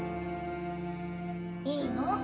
いいの？